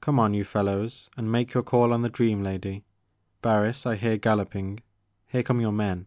Come on, you fellows, and make your call on the dream lady. Barris, I hear galloping ; here come your men.